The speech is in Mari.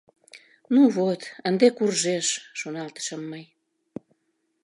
«Ну вот, ынде куржеш», — шоналтышым мый.